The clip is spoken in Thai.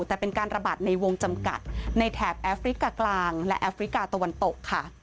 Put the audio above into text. แต่เป็นการระบาดในวงจำกัดในแถบแอฟริกากลางและแอฟริกาตะวันตกค่ะ